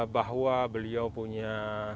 bahwa beliau punya